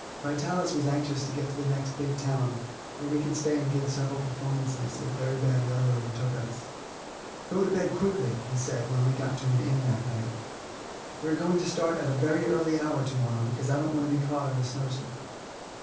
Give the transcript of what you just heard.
Vitalis was anxious to get to the next big town, where we could stay and give several performances, if very bad weather overtook us. "Go to bed quickly," he said, when we got to an inn that night; "we are going to start at a very early hour to morrow, because I don't want to be caught in a snowstorm."